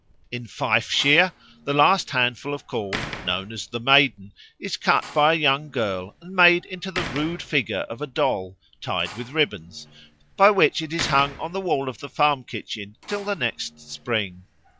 In Fifeshire the last handful of corn, known as the Maiden, is cut by a young girl and made into the rude figure of a doll, tied with ribbons, by which it is hung on the wall of the farm kitchen till the next spring.